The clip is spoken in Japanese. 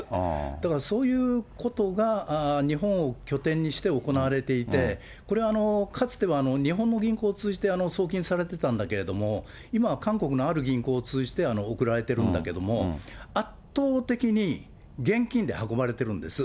だからそういうことが日本を拠点にして行われていて、これはかつては日本の銀行を通じて送金されてたんだけれども、今は韓国のある銀行を通じて送られてるんだけども、圧倒的に現金で運ばれてるんです。